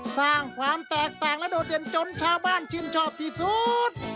สร้างความแตกต่างและโดดเด่นจนชาวบ้านชื่นชอบที่สุด